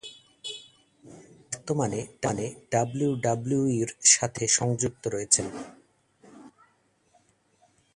Kiss বর্তমানে ডাব্লিউডাব্লিউইর সাথে সংযুক্ত রয়েছেন।